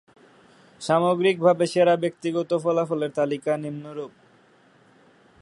সামগ্রীকভাবে সেরা ব্যক্তিগত ফলাফলের তালিকা নিম্নরূপঃ-